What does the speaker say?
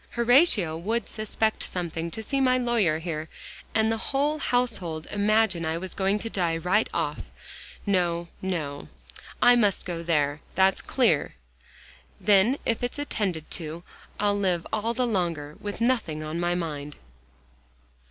Horatio would suspect something to see my lawyer here, and the whole household imagine I was going to die right off. No, no; I must go there, that's clear. Then if it's attended to, I'll live all the longer, with nothing on my mind."